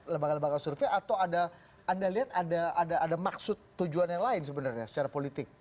lembaga lembaga survei atau anda lihat ada maksud tujuan yang lain sebenarnya secara politik